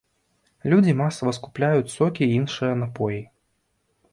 Людзі масава скупляюць сокі і іншыя напоі.